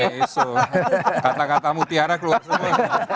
kata kata mutiara keluar semua